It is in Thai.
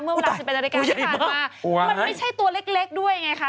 เมื่อบราศน์เป็นรายการที่ผ่านมามันไม่ใช่ตัวเล็กด้วยไงคะ